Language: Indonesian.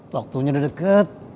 waktunya udah deket